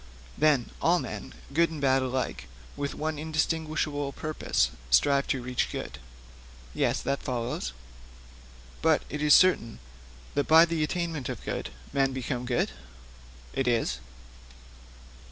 'Then, all men, good and bad alike, with one indistinguishable purpose strive to reach good?' 'Yes, that follows.' 'But it is certain that by the attainment of good men become good?' 'It is.'